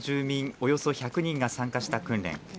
およそ１００人が参加した訓練。